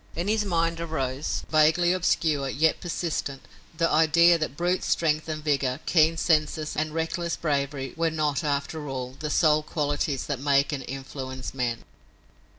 In his mind arose, vaguely obscure, yet persistent, the idea that brute strength and vigor, keen senses and reckless bravery were not, after all, the sole qualities that make and influence men.